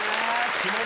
気持ちが。